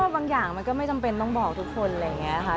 บางอย่างมันก็ไม่จำเป็นต้องบอกทุกคนอะไรอย่างนี้ค่ะ